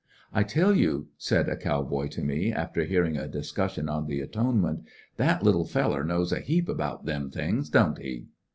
"I tell you," said a cow boy to me, after hearing a discussion on the Atonement, ^^that little feller knows a heap about them things, don't he?"